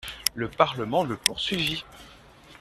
Le Parlement le poursuivit.